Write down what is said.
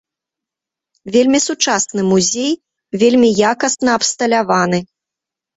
Вельмі сучасны музей, вельмі якасна абсталяваны.